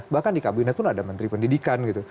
bahkan di kabinet pun ada menteri pendidikan gitu